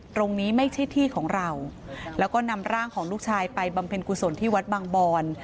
ตรงนี้ไม่ใช่ที่ของเราแล้วก็นำร่างของลูกชายไปบำเพ็ญกุศลที่วัดบางบอน